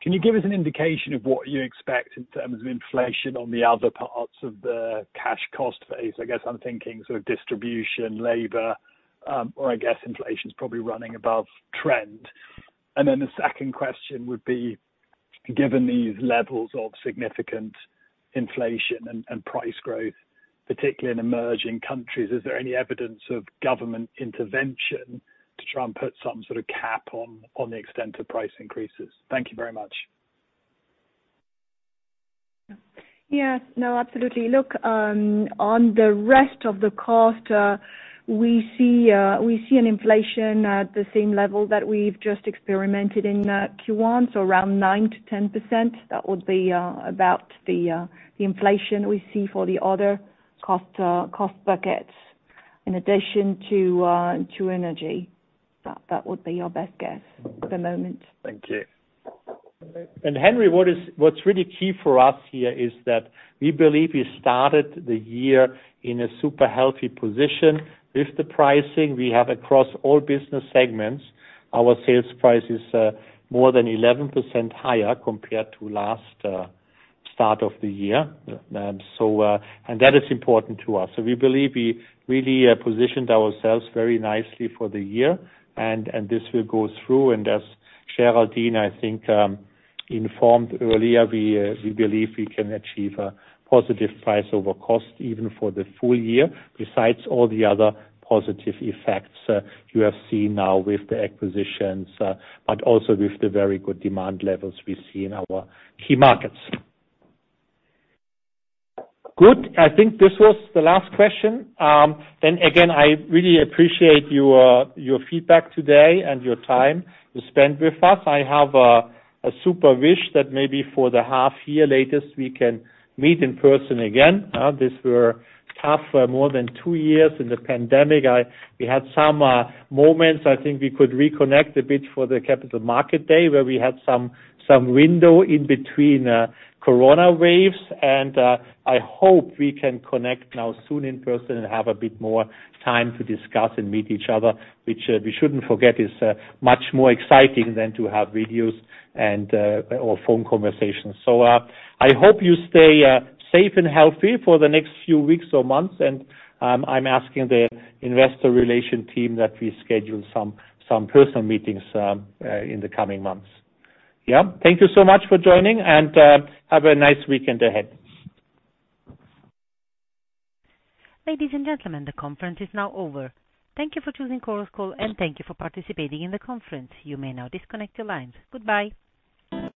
Can you give us an indication of what you expect in terms of inflation on the other parts of the cash cost base? I guess I'm thinking sort of distribution, labor, or I guess inflation's probably running above trend. Then the second question would be, given these levels of significant inflation and price growth, particularly in emerging countries, is there any evidence of government intervention to try and put some sort of cap on the extent of price increases? Thank you very much. Yes. No, absolutely. Look, on the rest of the cost, we see an inflation at the same level that we've just experienced in Q1, so around 9%-10%. That would be about the inflation we see for the other cost buckets in addition to energy. That would be our best guess at the moment. Thank you. Harry, what's really key for us here is that we believe we started the year in a super healthy position. With the pricing we have across all business segments, our sales price is more than 11% higher compared to last start of the year. That is important to us. We believe we really positioned ourselves very nicely for the year, and this will go through. As Géraldine, I think, informed earlier, we believe we can achieve a positive price over cost even for the full year, besides all the other positive effects you have seen now with the acquisitions, but also with the very good demand levels we see in our key markets. Good. I think this was the last question. I really appreciate your feedback today and your time you spent with us. I have a super wish that maybe for the half year latest, we can meet in person again. These were tough more than two years in the pandemic. We had some moments. I think we could reconnect a bit for the Capital Market Day, where we had some window in between Corona waves. I hope we can connect now soon in person and have a bit more time to discuss and meet each other, which we shouldn't forget is much more exciting than to have videos or phone conversations. I hope you stay safe and healthy for the next few weeks or months. I'm asking the Investor Relations team that we schedule some personal meetings in the coming months. Yeah. Thank you so much for joining, and have a nice weekend ahead. Ladies and gentlemen, the conference is now over. Thank you for choosing Chorus Call, and thank you for participating in the conference. You may now disconnect your lines. Goodbye.